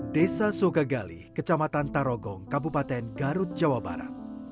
desa sogagali kecamatan tarogong kabupaten garut jawa barat